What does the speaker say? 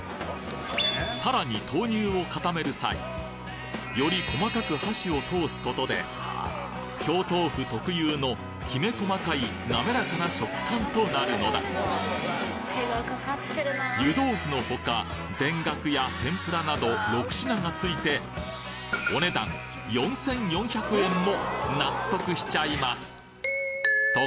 さらに豆乳を固める際より細かく箸を通すことで京豆腐特有のキメ細かいなめらかな食感となるのだ湯豆腐のほか田楽や天ぷらなど６品がついてお値段４，４００円も納得しちゃいます！